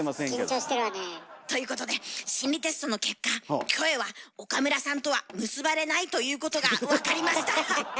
緊張してるわねえ。ということで心理テストの結果キョエは岡村さんとは結ばれないということが分かりました！